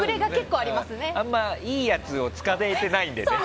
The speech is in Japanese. あんまりいいやつを使ってないんで。